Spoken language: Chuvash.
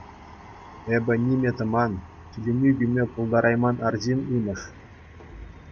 Эпӗ ниме тӑман, киленӳ кӳме пултарайман арҫын имӗш.